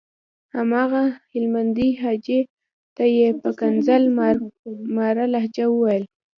هماغه هلمندي حاجي ته یې په ښکنځل ماره لهجه وويل.